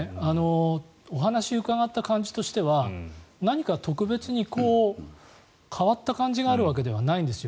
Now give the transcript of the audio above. お話を伺った感じとしては何か特別に変わった感じがあるわけではないんですよ。